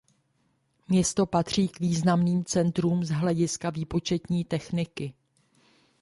Město patří k významným centrům z hlediska výpočetní techniky.